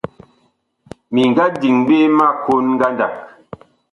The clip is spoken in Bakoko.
Mi nga diŋ ɓe ma kon ngandag.